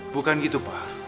bukan gitu pa